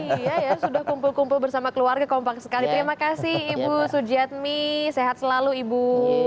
iya ya sudah kumpul kumpul bersama keluarga kompak sekali terima kasih ibu sujiatmi sehat selalu ibu